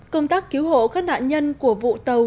công tác cứu hộ các nạn nhân của vụ tàu